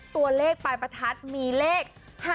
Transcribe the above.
ตัวเลขปลายประทัดมีเลข๕๗